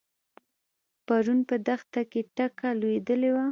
پرون په دښته کې ټکه لوېدلې وه.